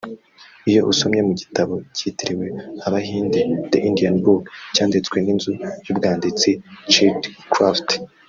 Iyo usomye mu gitabo kitiriwe Abahinde (The Indian Book) cyanditswe n’inzu y’ubwanditsi Childcraft